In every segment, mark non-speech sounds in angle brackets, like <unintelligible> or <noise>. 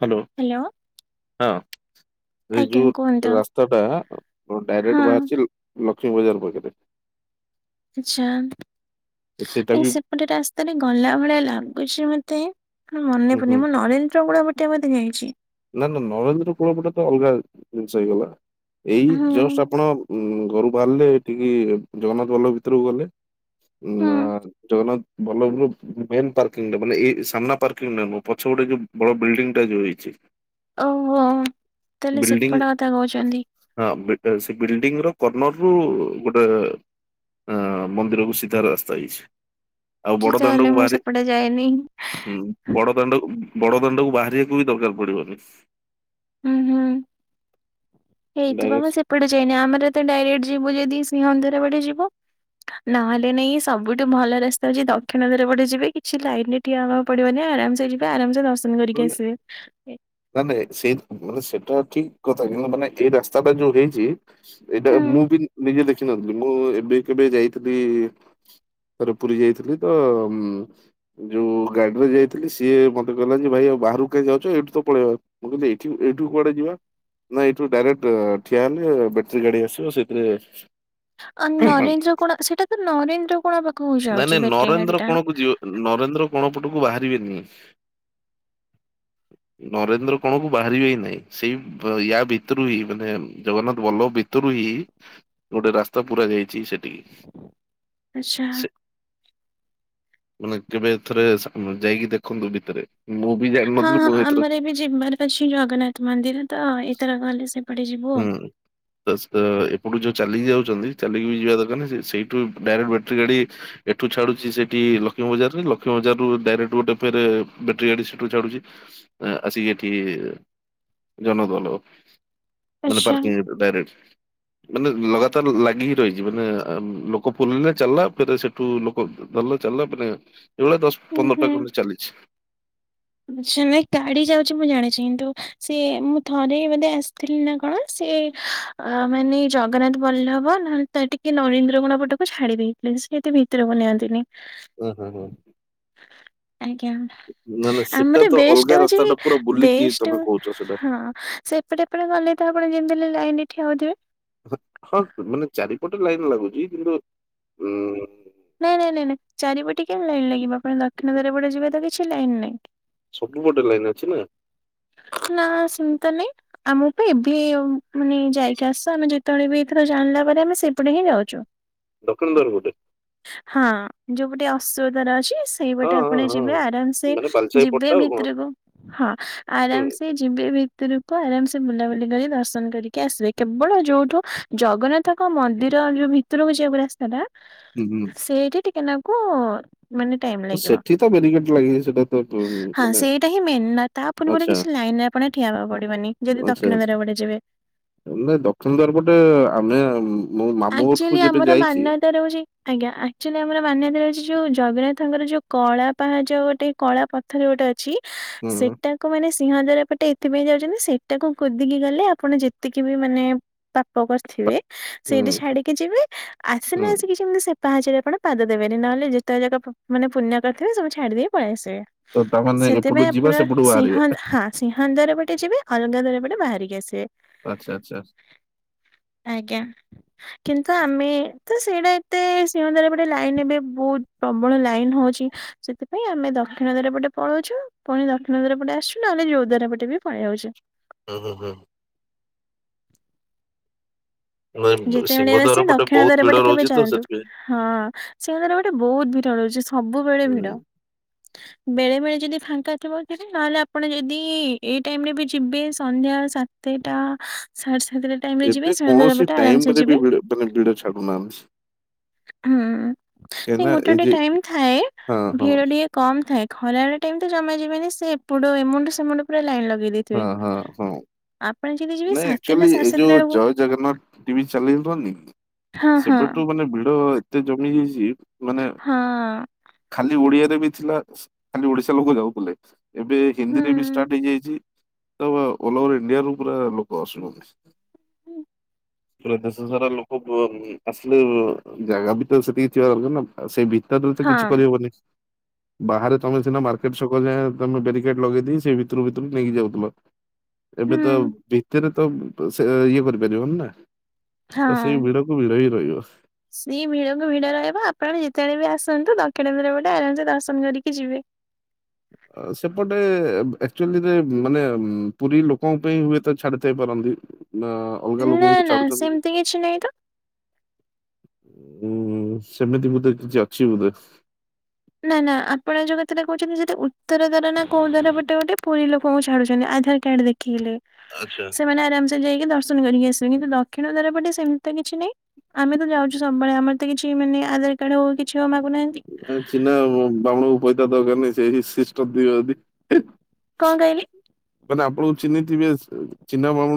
Hello. Hello. ହଁ ସେ ଯୁ ଆଜ୍ଞା କୁହନ୍ତୁ ରାସ୍ତା ଟା ହଁ। ଡାଇରେକ୍ଟ <unintelligible> ଲକ୍ଷ୍ମୀ ବଜାର ପାଖରେ। ଆଛା ସେଇଟା ଏ ବି ସେପଟେ ରାସ୍ତାରେ ଗଲା ଭଳିଆ ଲାଗୁଛି ମତେ ହୁଁ ମନେ ହୁଁ ପୁଡୁନି ମୁଁ ନରେନ୍ଦ୍ର କୁଳ ପେଟେ ବୋଧେ ଯାଇଛି। ନା ନା ନରେନ୍ଦ୍ର ର କୁଳ ପଟେ ତ ଅଲଗା ଜିନିଷ ହେଇଗଲା। ଏଇ ହୁଁ ଜଷ୍ଟ ଆପଣ ଘରୁ ବାହାରିଲେ ଏଠିକି ଜଗନ୍ନାଥ ବଲ୍ଲଭ ଭିତରକୁ ଗଲେ ଉ ହୁଁ ଜଗନ୍ନାଥ ବଲ୍ଲଭରୁ ମେ ପାର୍କିଂ ଟା ବେଲେ ଏଇ ସାମ୍ନା ପର୍କିଙ୍ଗି ନୁହେଁ ପଛପଟେ ଗୋଟେ ଯୋଉ ବଡ ବିଲଡିଙ୍ଗଟା ଯୋଉ ହେଇଛି ଓହୋ। ତାହେଲେ ବିଲ୍ଡିଂ ସେପଟ କଥା କହୁଛନ୍ତି ହଁ ସେ ବିଲ୍ଡିଙ୍ଗ ର କର୍ଣ୍ଣର ରୁ ଗୋଟେ ଅ ମନ୍ଦିରକୁ ସିଧାର ରାସ୍ତା ହେଇଛି। ଆଉ ଯି ବଡ ତାହଲେ ଦାଣ୍ଡକୁ ମୁଁ ବାହାରି ସେ ପଡ଼େ ଯାଏନି ହୁଁ ବଡ ଦାଣ୍ଡ ବଡ ଦାଣ୍ଡକୁ ବାହାରିବାକୁ ବି ଦରକାର ପଡିବ। ହୁଁ ହୁଁ। ହେଇଥିବମେ ଡାଇରେକ୍ଟ ସେପଟେ ଯାଇନି ଆମର ତ ଡାଇରେକ୍ଟ ଯିବୁ ଯଦି ସିଂହଦ୍ୱାର ବାଟେ ଯିବ। ନହେଲେ ନାଇଁ ସବୁଠୁ ଭଲ ରାସ୍ତା ହୋଉଛି ଦକ୍ଷିଣ ଦ୍ୱାର ପଟେ ଯିବ କିଛି ଲାଇନ ଠିଆ ହେବାକୁ ପଡିବ ନା ଆରାମସେ ଯିବା ଆରାମସେ ଦର୍ଶନ କରିକି ମାନେ ଆସିବା। ନା ନାଇଁ ସେଇ ମାନେ ସେଇଟା ଠିକ କଥା ନୁହେଁ, ମାନେ ଏଇ ରାସ୍ତା ଯିଏ ଦେଇଚି ଏଇଟା ହୁଁ ମୁଁ ବି ନିଜେ ଦେଖିନଥିଲି ମୁଁ ଏବେ କେବେ ଯାଇଥିଲି ରେ ପୁରୀ ଯାଇଥିଲି ତ ଉ ଯୋଉ ଗାଡିରେ ଯାଇଥିଲି ସିଏ ମତେ କହିଲା ଯେ ଭାଇ ଆଉ ବାହାରକୁ କାହିଁ ଯାଉଛ ଏଇଠୁ ତ ପଳେଇ ମୁଁ କହିଲି ଏଠ ଏଠୁ କୁଆଡେ ଯିବା? ନାଇ ଏଇଠୁ ଡାଇରେକ୍ଟ ଠିଆ ହେଲେ ବ୍ୟାଟେରୀ ଗାଡି ଆସିବ ସେଥିରେ <unintelligible> ନାଇଁ ନରେନ୍ଦ୍ର କୋଣ ସେଟା ତ ନରେନ୍ଦ୍ର କୋଣ ପାଖକୁ ନାଇଁ ଯାଉଛି ବ୍ୟାଟେରୀ ନରେନ୍ଦ୍ର ଗାଡି ଟା। କୋଣକୁ ଯିବ ନରେନ୍ଦ୍ର କୋଣ ପଟକୁ ବାହାରିବେନି। ନରେନ୍ଦ୍ର କଣ କ ବାହାରିବ ହି ନାଇଁ ସେଇ ୟା ଭିତରୁ ହିଁ ମାନେ ଜଗନ୍ନାଥ ଭର୍ଲବ ଭି ଭିତରୁ ହିଁ ଗୋଟେ ରାସ୍ତା ପୁରା ଯାଇଛି ସେଠିକି ଆଚ୍ଛା ସେ ମାନେ କେବେଥରେ ଯାଇକି ଦେଖନ୍ତୁ ଭିତରେ। ମୁଁ ବି ଯାଇ ହଁ ହଁ ଆମର ଏବେ ଯିବାର ଅଛି ଜଗନ୍ନାଥ ମନ୍ଦିର ତ ଏଥର ଗଲେ ସେ ହୁଁ। ଏପଟୁ ଯୋଉ ଚାଲିକି ଯାଉଛନ୍ତି ଚାଲିକି ଯିବା ଦରକାର ନାହିଁ ସେଇଠୁ ଡାଇରେକ୍ଟ ବ୍ୟାଟେରୀ ଗାଡି ଏଠୁ ଛାଡୁଛି ସେଠି ଲକ୍ଷ୍ମୀ ବଜାରରେ ଲକ୍ଷ୍ମୀ ବଜାରରୁ ଡାଇରେକ୍ଟ ଗୋଟେ ଫେରେ ବେଟରୀ ଗାଡି ସେଠୁ ଛାଡୁଛି। ଆ ଆସିକି ଏଇଠି ଜନଗନ। ମାନେ ଆଚ୍ଛା ପାର୍କିଂ ରୁ ଡାଇରେକ୍ଟ। ମାନେ ଲଗାତାର ଲାଗିକି ରହିଚି ମାନେ ଆ ଲୋକ ପୁରିଲେ ଚାଲିଲା ଫେରେ ସେଠୁ ଲୋକ। ଭଲ ଚାଲିଲା ପରେ ଏଇଭଳିଆ ଦଶ ହୁଁ ପନ୍ଦର ହୁଁ ଟା ଖଣ୍ଡେ ଚାଲିଛି। <unintelligible> ଗାଡି ଯାଉଛି ମୁଁ ଜାଣିଛି କିନ୍ତୁ ସେ ମୁଁ ଥରେ ବୋଧେ ଆସିଥିଲି ନା କଣ ସେ। ଅ ମାନେ ଜଗନ୍ନାଥ ବଲ୍ଲଭ ନହେଲେ ତ ଟିକେ ନରେନ୍ଦ୍ର ଗୋଣ ପଟକୁ ଛାଡିବି। ପ୍ଲେସ କୁ ଏତେ ଭିତରକୁ ନିଅନ୍ତିନି। ଓହୋ ହୋ। ଆଜ୍ଞା। ନା ନା ସେଟା ଆମର ତ ଅଲଗା ବେଷ୍ଟ ହଉଛି ରାସ୍ତା ଟା ପୁରା ବୁଲିକି ବେଷ୍ଟ ତମେ କହୁଛ ସେଟା। ହଁ ସେପଟେ। ଆପଣ ଗଲେ ତ ଆପଣ ଯେମିତି ହେଲେ ଲାଇନ୍ ରେ ଠିଆହଉଥିବେ? ହଁ ମାନେ ଚାରିପଟେ ଲାଇନ ଲାଗୁଛି କିନ୍ତୁ ଉଁ ନାଇଁ ନାଇଁ ନାଇଁ ନାଇଁ ଚାରିପଟେ କେମିତି ଲାଇନ ଲାଗିବ ଆପଣ ଦକ୍ଷିଣ ଦ୍ୱାର ପଟେ ଯିବେ ତ କିଛି ଲାଇନ ନାଇଁ। ସବୁ ପଟେ ଲାଇନ ଅଛି ନା? ନା ସେମିତି ତ ନାଇଁ। ଆମକୁ ପା ଏବେ ମାନେ ଯାଇକି ଆସ ଆମେ ଯେତବଳେ ବି ଏଇଥର ଜାଣିଲା ପରେ ଆମେ ସେପଟେ ହିଁ ଯାଉଛୁ। ଦକ୍ଷିଣ ଦ୍ୱାର ପଟେ? ହଁ ଯୋଉ ପଟେ ଅଶ୍ୱ ଦ୍ୱାର ଅଛି ହଁ ସେଇପଟେ ହଁ ଆପଣ ଯିବେ ହଁ। ଆରାମସେ ମାନେ ବାଲିସାହି ଯିବେ ପଟଟା ଆଉ କଣ ଭିତରୁକୁ ହଁ ହୁଁ। ଆରାମସେ। ଯିବେ ଭିତରକୁ ଆରାମସେ ବୁଲାବୁଲି କରି ଦର୍ଶନ କରିକି ଆସିବେ କେବଳ ଯୋଉଠୁ। ଜଗନ୍ନାଥଙ୍କ ମନ୍ଦିର ଭିତରକୁ ଯିବାକୁ ରାସ୍ତାଟା। ହୁଁ ହୁଁ। ସେଇଠେ ଟିକେନାକୁ। ମାନେ ଟାଇମ୍ ଲାଗିବ ସେଠି ତ ବ୍ୟାରିକେଟ ଲାଗିଛି ସେଟା ତ ଉ ହଁ ମାନେ ସେଇଟା ହିଁ ମେନ୍ ନା ତା ପରେ ଆଚ୍ଛା କିଛି ଲାଇନ ନାଇଁ ଆପଣ ବି ଠିଆ ହବାକୁ ପଡିବନି ଯଦି ଆଚ୍ଛା। ଦକ୍ଷିଣ ଦ୍ୱାର ପଟେ ଯିବେ। ନାଇଁ ଦକ୍ଷିଣ ଦ୍ୱାର ପଟେ ଆମେ ମୋ ମାମୁଁ ଘରଠୁ ଯେବେ ଯାଇଛି। ତାପରେ ହୋଉଚି ଆଜ୍ଞା ଅକ୍ଚୋଲି ଆମର ମାନ୍ୟତା ଅଛି ଯୋଉ ଜଗନ୍ନାଥଙ୍କର ଯୋଉ କଳା ପାହାଚ ଗୋଟେ କଳା ପ ଥର ଗୋଟେ ଅଛି। ହୁଁ ହୁଁ। ତାଙ୍କୁ ମାନେ ସିଂହଦ୍ୱାର ପଟେ ଏଥିପାଇଁ ଯାଉଛନ୍ତି ସେଟାକୁ କୁଦିକି ଗଲେ ଆପଣ ଯେତିକି ବି ମାନେ। ପାପ କରିଥିବେ ହୁଁ ସେଇଠି ଛାଡିକି ଯିବେ ଆସିଲା ହୁଁ ବଳସିକି ଯେମିତି ସେ ପାହାଚରେ ଆପଣ ପାଦ ଦେବେନି ନହଲେ ଯେତକ ଯାକ ପ ମାନେ ପୁଣ୍ୟ କରିଥିବେ ସବୁ ଛାଡି ଦେଇକି ପଳେଇ ଆସିବେ। ତ ତାମାନେ ସେଥିପାଇଁ ଏପଟୁ ଆପଣ ଯିବା ସେପଟୁ ସିଂହ ବାହାରିବା? ହଁ ସିଂହ ଦ୍ୱାର ପଟେ ଯିବେ ଅଲଗା ଦ୍ୱାର ପଟେ ବାହାରିକି ଆସିବେ। ଆଚ୍ଛା ଆଚ୍ଛା। ଆଜ୍ଞା। କିନ୍ତୁ ଆମେ ତ ସେଇଟା ଏତେ ସିଂହଦ୍ୱାର ପଟେ ଲାଇନ ଏବେ ବହୁତ ପ୍ରବଳ ଲାଇନ ହଉଛି। ସେଥିପାଇଁ ଆମେ ଦକ୍ଷିଣ ଦ୍ଵାର ପଟେ ପଳଉଛୁ ପୁଣି ଦ କ୍ଷୀଣ ଦ୍ୱାର ପଟେ ଆସୁଚୁ ନହେଲେ ଯୋଉ ଦ୍ୱାର ପଟେ ବି ପଳେଇ ଆଉଛୁ। ହୁଁ ହୁଁ ହୁଁ। ନାଇଁ ଯେତେବେଳେ ସିଂହଦ୍ୱାର ଆସିବେ ପଟେ ଦକ୍ଷିଣ ବହୁତ ଦ୍ୱାର ଭିଡ ପଟେ କେବେ ରହୁଛି ତ ଯାଆନ୍ତୁ। ସେଥିପାଇଁ। ହଁ ସିଂହଦ୍ୱାର ପଟେ ବହୁତ ଭିଡ ରହୁଛି ସବୁବେଳେ ହୁଁ ଭିଡ। <inaudible> ବେଳେ ବେଳେ ଯଦି ଫାଙ୍କା ଥିବ ଯିବେ ନହେଲେ ଆପଣ ଯଦି ଏଇ ଟାଇମ ରେ ବି ଯିବେ ସନ୍ଧ୍ୟା ସା ଦିଟା ସାଢେ ସାତଟା ଟାଇମ ରେ ଯିବେ ସିଂହଦ୍ୱାର ପଟେ ଟାଇମ ଆରାମସେ ଗଲେ ଯିବେ ବି ଭିଡ଼ ମାନେ ଭିଡ଼ ଛାଡୁନାହାନ୍ତି। ହୁଁ ନାଇଁ କାହିଁକିନା ଗୋଟେ ଏ ଗୋଟେ ଯେ ଟାଇମ ଥାଏ ହଁ ହଁ ଭିଡି କେ କମ୍ ଥାଏ ଖରାଏଳ ଟାଇମ୍ ତ ଜମା ଯିବେନି ସେ ଏପଟୁ ଏମୁଣ୍ଡୁ ସେମୁଣ୍ଡ ପୁରା ଲାଇନ୍ ଲଗେଇ ଦେଇ ହଁ ହଁ ହଁ ଯିବେ ନାଇଁ ସାତଟା ଆକ୍ଚୁଆଲି ସାଢେ ଏ ସାତଟା ଯୋଉ ବେଳକୁ ଜୟ ଜଗନ୍ନାଥ ଟି ଭି ଚ୍ୟାନେଲ ଦୋଊନି କି ହଁ ହଁ ସେପଟୁ ମାନେ ଭିଡ ଏତେ ଜମି ଯାଇଚି ହଁ। ଖାଲି ଓଡିଆରେ ବି ଥିଲା ଖାଲି ଓଡିଶା ଲୋକ ଯାଉଥୁଲେ, ଏବେ ହିନ୍ଦୀରେ ବି ହୁଁ। ଷ୍ଟାର୍ଟ ହେଇଯାଇଚି। ତ ଓଲ୍ ଓଭର୍ ଇଣ୍ଡିଆରୁ ପୁରା ଲୋକ ଆସୁଚନ୍ତି। <inaudible> ପୁରା ଦେଶ ସାରା ଲୋକ ବ ଉଁ ଉଁ ଆସିଲେ ବ ଜାଗା ବି ତ ସେତିକି ଥିବା ଦରକାର ନା ଆ ସେଇ ଭିତରରେ ତ କିଛି ହଁ କରିହବନି। ବାହାରେ ତମେ ସିନା ମାର୍କେଟ ଛକ ଯାଏଁ ତମେ ବ୍ୟାରିକେଟ୍ ଲଗେଇଦେଇ ସେ ଭିତୁରୁ ଭିତୁରୁ ନେଇକି ଯାଉଥିଲ। ଏବେ ହୁଁ ତ ଭିତେରେ ତ ବ ସେ ଇଏ କରିପାରିବନି ନା ତ ସେଇ ହଁ। ଭିଡ କୁ ଭିଡ ହି ରଇବ। ସିଏ ଭିଡକୁ ଭିଡ ରହିବ ଆପଣ ଯେତେବେଳେ ବି ଆସନ୍ତୁ ଦକ୍ଷିଣ ଦ୍ୱାର ବାଟେ ଆରାମ୍ ସେ ଦର୍ଶନ କରିକି ଯିବେ। ଆ ସେପଟେ ବ୍ ଆକ୍ଚୁଆଲିରେ ବ୍ ମାନେ ଉଁ ପୁରୀ ଲୋକଙ୍କ ପାଇଁ ହୁଏତ ଛାଡୁଥାଇ ପାରନ୍ତି। ନା ଅଲଗା ନା ଲୋକଙ୍କୁ ନା ଛାଡୁଚନ୍ତି ବି। ସେମିତି କିଛି ନାହିଁ ତ ଉଁ ସେମିତି ବୋଧେ କିଛି ଅଛି ବୋଧେ। ନା ନା ଆପଣ ଯୋଉ କଥାଟା କହୁଚନ୍ତି ସେଇଟା ଉତ୍ତର ଦ୍ୱାର ନା କୋଉ ଦ୍ୱାର ପଟେ ଗୋଟେ ପୁରୀ ଲୋକଙ୍କୁ ଛାଡୁଚନ୍ତି ଆଧାର କାର୍ଡ ଦେଖେଇଲେ ଆଚ୍ଛା। ସେମାନେ ଆରାମ୍ ସେ ତ ଯାଇକି ଦର୍ଶନ କରିକି ଆସିବେ କିନ୍ତୁ ଦକ୍ଷିଣ ଦ୍ୱାର ପଟେ ସେମିତି ତ କିଛି ନାଇଁ। ଆମେ ତ ଯାଉଛୁ ସବୁବେଳେ ଆମର ତ କିଛି ମାନେ ଆଧାର କାର୍ଡ ହଉ କିଛି ହଉ ମାଗୁ ନାହାନ୍ ଚିନା ଉଁ ବାମୁଁଣଙ୍କୁ ପଇତା ଦରକାର ନାଇଁ ସେହି ସିଷ୍ଟମ୍ ଥିବ ଯଦି ହି। କଁ କଇଲେ? ମାନେ ଆପଣଙ୍କୁ ଚିହ୍ନିଥିବେ ସେ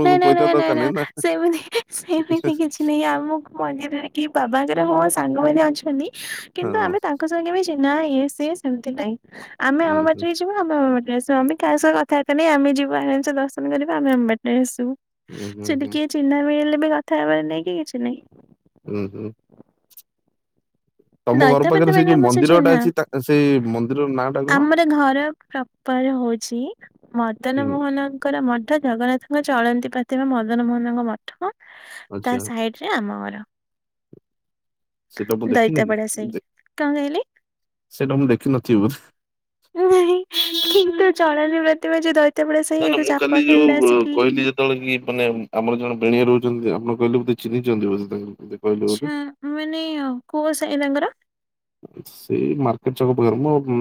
ନା ନା ନା ନା ନା ସେମିତି ହିଁ ସେମିତି କିଛି ନାଇଁ ଆମକୁ ମନ୍ଦିରରେ କି ବାବାଙ୍କ ର ମୋ ସାଙ୍ଗମାନେ ଅଛନ୍ତି ହଁ କିନ୍ତୁ ଆମେ ତାଙ୍କ ଜଣେ ଜଣେ ଚିହ୍ନା ଇଏ ସିଏ ସେମିତି ନାଇଁ ଆମେ ହୁଁ ଆମ ହୁଁ ବାଟରେ ଯିବୁ। ଆମେ ଆମ ବାଟେରେ ଆସୁ ଆମେ କାହା ସହ କଥାବାର୍ତ୍ତା ନାଇଁ ଆମେ ଯିବୁ ଆରାମ୍ ସେ ଦର୍ଶନ କରିବୁ ଆମେ ଆମ ବାଟେରେ ଆସିବୁ। ହୁଁ ହୁଁ ସେଠି ହୁଁ କିଏ ଚିହ୍ନା ମିଳିଲେ ବି କଥା ହବାର ନାଇଁ କି କିଛି ନାଇଁ। ଉଁ ହୁଁ। ତମ ଘର ପାଖରେ ସେଇ ଦଇତାପତିମାନେ ଯୋଉ ଅବଶ୍ୟ ମନ୍ଦିର ଟା ଚିହ୍ନା ଅଛି ତା ସେଇ ମନ୍ଦିର ନାଁ ଟା କଣ? ଆମର ଘର ପ୍ରପ୍ ପର ହଉଛି ମଦନ ହୁଁ ମୋହନ ଙ୍କର ମଠ ଜଗନ୍ନାଥଙ୍କ ଚଳନ୍ତି ପ୍ରତିମା ମଦନ ମୋହନଙ୍କ ମଠ ତା ଆଚ୍ଛା ସାଇଟ୍ ରେ ଆମ ଗର। ସେତା ମୁଁ ଦେଖିନି କି ଦଇତାପଡା ସାହି ଦେ କଣ କହିଲେ? ସେଟା ମୁଁ ଦେଖିନଥିବି ବୋଧେ। ନାହିଁ କିନ୍ତୁ ଚଳନ୍ତି ପ୍ରତିମା ଯୋଉ ଦଇ ନା ନା ମୁଁ କାଲି ଯୋଉ ବ କହିଲି ଜଣେ କିଏ ମାନେ ଉଁ ଆମର ଜଣେ ବେଣେଇ ରହୁଚନ୍ତି ଆପଣ କହିଲେ ବୋଧେ ଚିହ୍ନିଚନ୍ତି ବୋଧେ ତାଙ୍କୁ ବୋଧେ? କହିଲେ ବୋଧେ ଆଛା ମାନେ ଆଁ କୋଉ ସାଇ ତାଙ୍କର? ସେଇ ମାର୍କେଟ୍ ଛକ ପାଖେରେ ମ ଉଁ।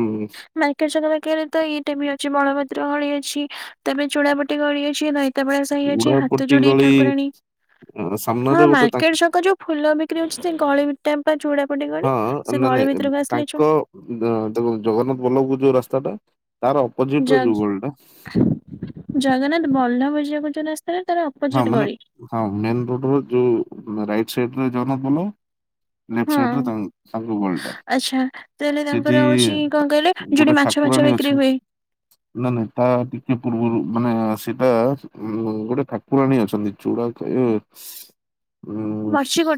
ମାର୍କେଟ୍ ଛକ ପାଖେରେ ତ ଏଇଟା ବି ଅଛି ବଳଭଦ୍ର ଗଳି ଅଛି ତାପରେ ଚୂଡାପଟି ଗଳି ଅଛି ନାଇଁ। ତେବେଳା ସାହି ଅଛି ଉଡାପଟି ହାତଯୋଡି ଗଳି ଠାକୁରାଣୀ ଅ, ହଁ ସାମ୍ନାରେ ଗୋଟେ ତାଙ୍କ ମାର୍କେଟ୍ ଛକ ଯୋଉ ଫୁଲ ବିକ୍ରି ହଉଚି ସେ ଗଳିଟା ପା ଚୂଡାପଟି ଗଳି। ସେ ଆନ୍ ଗଳି ମାନେ ଏବ୍ ଭିତରକୁ ଆସିଲେ ଚୁଡା ତାଙ୍କ ଦେଖ ତମର ଜଗନ୍ନାଥ ବଲ୍ଲଭକୁ ଯୋଉ ରାସ୍ତାଟା ତାର ଅପୋଜିଟରେ ଯୋଉ ଗଳିଟା ଜଗନ୍ନାଥ ବଲ୍ଲଭ ଯିଆକୁ ଯୋଉ ରାସ୍ତାଟା ତାର ଅପ୍ ହଁ ମାନେ ହଁ ମେନ୍ ରୋଡରୁ ଯୋଉ ରାଇଟ୍ ସାଇଟ୍ ମେ ଜଗନ୍ନାଥ ବଲ୍ଲଭ ଲେଫ୍ଟ ହଁ। ସାଇଟରେ ତାଙ୍କ ତାଙ୍କ ଗଳିଟା ଆଚ୍ଛା ତାହେଲେ ତାଙ୍କର ସେଠି ହଉଛି କଣ ତା କହିଲେ ଯୋଉଠି ଗୋଟେ ମାଛ ଫାଛ ଠାକୁରାଣୀ ବିକ୍ରି ଅଛ ହୁଏ <unintelligible> ନା ନାଇଁ ତା ଟିକେ ପୂର୍ବୁରୁ ମାନେ ସେଟା ଉଁ ଗୋଟେ ଠାକ୍ କୁରାଣୀ ଅଛନ୍ତି ଚୁଡାଖାଇ ଏ ଉଁ ମର୍ଚି ଗୋ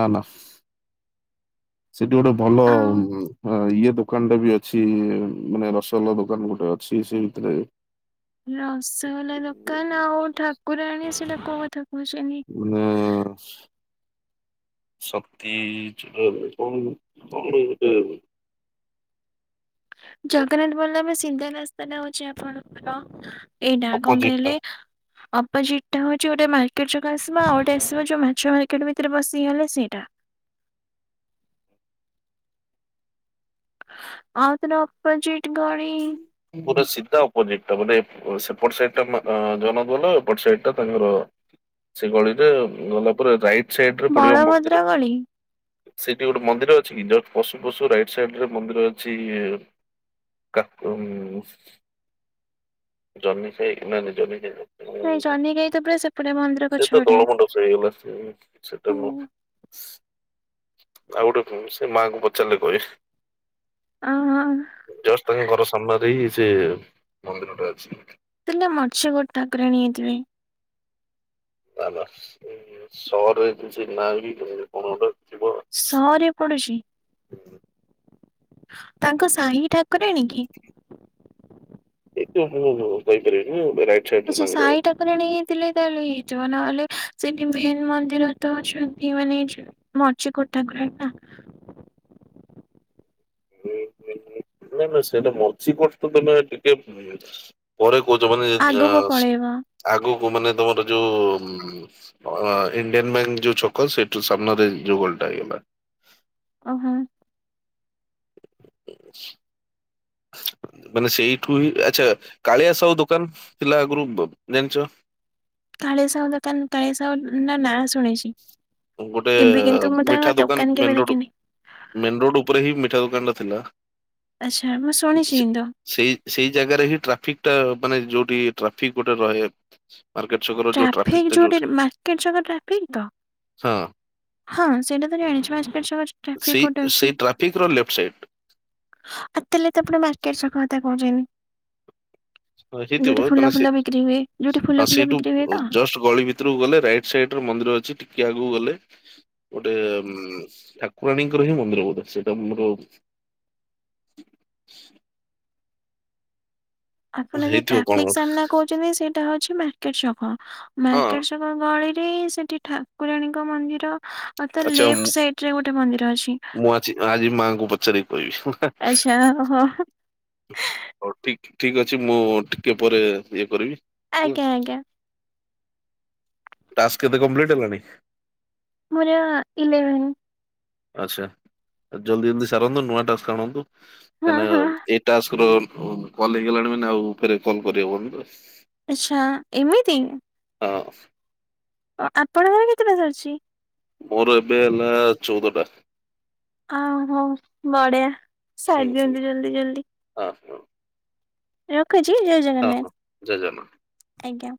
ନା ନା। ସେଠି ଗୋଟେ ଭଲ ଆଉ ଇଏ ତ ଦୋକାନ ଟା ବି ଅଛି ମାନେ ରସଗୋଲା ଦୋକାନ ଗୋଟେ ଅଛି ସେଇ ଭିତରେ। ରସଗୋଲା ଦୋକାନ ଆଉ ଠାକୁରାଣୀ ସେଟା କୋଉ କଥା କହୁଛନ୍ତି। <unintelligible> ଶକ୍ତି କଣ <unintelligible> ଜଗନ୍ନାଥ ଦଲ୍ଲଭ ସିଧା ରାସ୍ତାଟା ହଉଛି ଆପଣଙ୍କର ଏଇଟା କଣ ଅପୋଜିଟ ଟା କହିଲେ? ଅପୋଜିଟ୍ଟା ହଉଛି ଗୋଟେ ମାର୍କେଟ ଯୋଗଁ ଆସିବା ଆଉ ଗୋଟେ ଆସିବା ଯୋଉ ମାଛ ମାର୍କେଟ୍ ଭିତରେ ବସିକିଗଲେ ସେଇଟା। ଆଉ ତ ନା ଅପଜିଟ ଗଳି ପୁରା ସିଧା ଅପୋଜିଟ ଟା ମାନେ ସେପଟ ସାଇ ଟା ଜଗନ୍ନାଥ ବଲ୍ଲଭ ଏପଟ ସାଇଡ ଟା ତାଙ୍କର। ସେଗଳିରେ ଗଲା ପରେରେ ରାଇଟ ସାଇଡ ରେ ପଡିବ ବଳଭଦ୍ର ମନ୍ଦିର। ଗଳି ସେଇଠି ଗୋଟେ ମନ୍ଦିର ଅଛି କି ଯୋଉ ପଶୁ ପଶୁ ରାଇଟ୍ ସାଇଡ ରେ ମନ୍ଦିର ଅଛି। କା ଉଁ ଜମିଇ ନ ଜମିଇ ନାଇଁ ଜହ୍ନିକାଇ ତ ପୁରା ସେପଟେ ମନ୍ଦିର ସେତ ପଛପଟେ। ଦୋଳମଣ୍ଡପ ସାଇ ସେଟା। ହୁଁ ଆଉ ଗୋଟେ ସେ ମାଆଙ୍କୁ ପଚାରିଲେ କହିବେ। ଅ ହଁ। ଜଷ୍ଟ ତାଙ୍କ ଘର ସାମ୍ନାରେ ସେ ମନ୍ଦିରଟା ଅଛି। ଦେଲେ ମଛ ଗୋଟେ ଠାକୁରାଣୀ ହେଇଥିବେ। ନା ବା ସହରରେ କିଛି ନାଁ ବି କେମିତି କଣ ଗୋଟେ ଥିବ। ଶରେ ପଡୁଛି ତାଙ୍କ ସାହି ଠାକୁରାଣ କି ଏ ହୁ କହିପାରିବିନି। ସାଇଡ ଆଛା ସେ ତାଙ୍କର ସାଇଟ୍ ଠାକୁରାଣ ହେଇଥିଲେ ତାହଲେ ହେଇଥିବ ନହେଲେ ସେଠି ଭେନ ମନ୍ଦିର ତ ଅଛନ୍ତି ମାନେଇ। ମଚ କୋଟାଙ୍କରା। ନାଇଁ ନାଇଁ ସେଇଟା ମଝିକଟ ତ ତମେ ଟିକେ ପରେ କହୁଛ ମାନେ ଆଗକୁ ପଳେଇବ ଆଗକୁ ମାନେ ତମର ଯୋଉ ଇଣ୍ଡିଆନ୍ ବ୍ୟାଙ୍କ ଯୋଉ ଛକ ସେଠୁ ସାମ୍ନରେ ଯୋଉ ଗଳିଟା। ଓହୋ ମାନେ ସେଇଠୁ ହିଁ ଆଚ୍ଛା କାଳିଆ ସାହୁ ଦୋକାନ ଥିଲା ଆଗରୁ ଜାଣିଛ? କାଳି ସାହୁ ଦୋକାନ କାଳି ସାହୁ ତା ନାଁ ଶୁଣିଛି। ଗୋଟେ ଏବେ କିନ୍ତୁ ମୁଁ ତାଙ୍କ ମିଠା ଦୋକାନ କେବେ ମେନ ରୋଡ ଦେଖିନି ମେନ୍ ରୋଡ ଉପରେ ହିଁ ମିଠା ଦୋକାନ ଥିଲା। ଆଚ୍ଛା ମୁଁ ଶୁଣିଛି ସେ- ତ। ସେଇ ସେଇ ଜାଗାରେ ହିଁ ଟ୍ରାଫିକ ଟା ମାନେ ଯୋଉଠି ଟ୍ରାଫିକ ଗୋଟେ ରହେ। ମାର୍କେଟଛକର ଯୋଉ ଟ୍ରାଫିକଟା ଯୋଉଠି। କେତେ ଜାଗା ରେ ଟ୍ରାଫିକ୍ ତ ସ ହଁ ସେଇଟା ତ ଜାଣିଚୁ <unintelligible> ଟ୍ରାଫିକ୍ ସେଇ କୋଉଠି ସେଇ ଅଛି? ଟ୍ରାଫିକ ର ଲେଫ୍ଟ ସାଇଡ ଆଉ ତାହେଲେ ତ ଲଆପଣ ମାର୍କେଟ ଛକ କଥା କହୁଛନ୍ତି। ହେଇଥିବ ଯୋଉଠି ଫୁଲ ମାନେ ସେ ଫୁଲ ବିକ୍ରି ହୁଏ। ଯୋଉଠି ହଁ ଫୁଲ ଫୁଲ ସେଇଠୁ ବି ଜଷ୍ଟ ଗଳି ଭିତରକୁ ଗଲେ ରାଇଟ୍ ସାଇଡରେ ମନ୍ଦିର ଅଛି ଟିକେ ଆଗୁକୁ ଗଲେ ଗୋଟେ ଠାକୁରାଣୀଙ୍କର ହିଁ ମନ୍ଦିର ବୋଧ, ସେଇଟା ମୋର ଆପଣ ଯଉ ହେଇଥିବ କଣ ଟ୍ରାଫିକ୍ ଗୋଟେ ସାମ୍ନା କହୁ ଚନ୍ତି ସେଇଟା ହଉଚି ମାର୍କେଟ ଛକ। ହଁ ମାର୍କେଟ ଛକ ଗଳିରେ ସେଠି ଠା କୁରାଣୀଙ୍କ ମନ୍ଦିର ଆଉ ତ ଆଚ୍ଛା ମୁଁ ଲେଫ୍ଟ ସାଇଟ୍ ରେ ଗୋଟେ ମନ୍ଦିର ଅଛି। ମୁଁ ଅଛି ଆଜି ମାଆଙ୍କୁ ପଚାରି କହିବି। ଆଚ୍ଛା ହ ହ। ହଉ ଠିକ୍ ଠିକ୍ ଅଛି ମୁଁ ଟିକେ ପରେ ଇଏ କରିବି। ଆଜ୍ଞା ଆଜ୍ଞା। ଟାସ୍କ କେତେ କମ୍ପ୍ଲିଟ୍ ହେଲାଣି? ମୋର ଇଲେଭେନ୍। ଆଚ୍ଛା। ଜଲ୍ଦି ଜଲ୍ଦି ସାରନ୍ତୁ ନୂଆ ଟାସ୍କ ଆଣନ୍ତୁ। କାହିଁକି ହଁ ନା ହଁ। ଏଇ ଟାସ୍କ ର କଲ୍ ହେଇଗଲାଣି ମାନେ ଆଉ ଫେରେ କଲ୍ କରିହବିନି ବାସ୍। ଆଚ୍ଛା ଏମିତି। ହଁ। ଆପଣଙ୍କର କେତେଟା <unintelligible> ଅଛି? ମୋର ଏବେ ହେଲା ଚଉଦଟା। ଆ ହୋ। ବଢିଆ, ହୁଁ ସାରି ହୁଁ ଦିଅନ୍ତୁ ଜଲ୍ଦି ଜଲ୍ଦି। ହଁ ହଉ। ରଖୁଚି ଜୟ ଜଗନ୍ନାଥ। ହଁ ଜୟ ଜଗନ୍ନାଥ। ଆଜ୍ଞା।